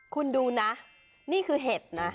คุณดูนะนี่คือเห็ดนะ